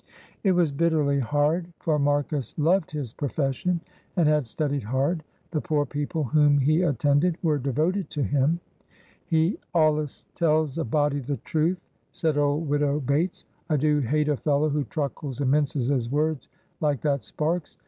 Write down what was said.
It was bitterly hard, for Marcus loved his profession, and had studied hard. The poor people whom he attended were devoted to him. "He allus tells a body the truth," said old Widow Bates. "I do hate a fellow who truckles and minces his words like that Sparks.